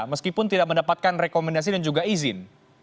meskipun tidak mendapatkan rekomendasi dan juga izin